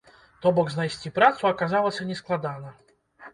То бок знайсці працу аказалася нескладана.